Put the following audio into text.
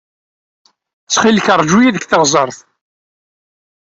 Ttxil-k, ṛju-iyi deg teɣsert.